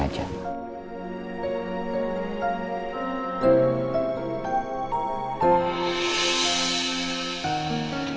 ya ampun andien